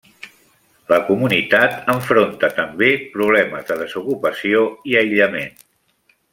La comunitat enfronta també problemes de desocupació i aïllament.